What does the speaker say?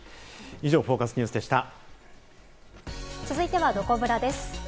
以上、続いては、どこブラです。